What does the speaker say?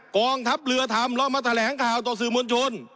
กองทัพเรือทำแล้วมาแถลงข่าวต่อสื่อมวลชน